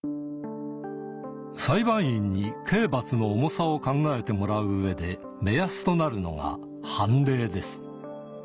裁判員に刑罰の重さを考えてもらう上で目安となるのが判例です